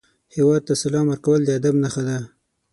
هیواد ته سلام کول د ادب نښه ده